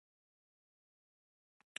دا عموماً پۀ سترګه راځي